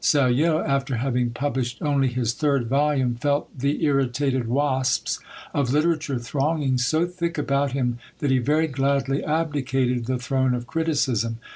Sallo, after having published only his third volume, felt the irritated wasps of literature thronging so thick about him, that he very gladly abdicated the throne of criticism.